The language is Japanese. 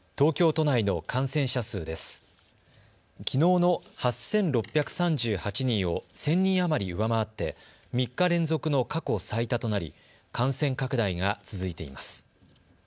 きのうの８６３８人を１０００人余り上回って３日連続の過去最多となり、感染拡大が続いています。